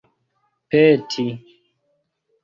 peti